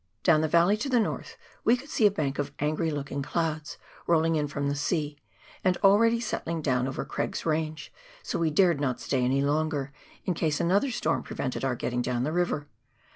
Down the valley to the north, we could see a bank of angry looking clouds, rolling in from the sea, and already settling down over Craig's Range, so we dared not stay any longer, in case another storm prevented our getting down the river.